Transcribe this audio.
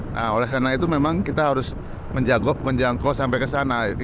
nah oleh karena itu memang kita harus menjangkau sampai ke sana